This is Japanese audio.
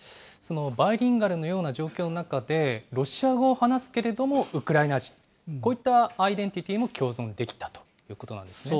バイリンガルのような状況の中で、ロシア語を話すけれども、ウクライナ人、こういったアイデンティティも共存できたということなんですね。